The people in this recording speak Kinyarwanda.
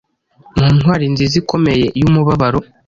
Mu ntwari nziza ikomeye yumubabaro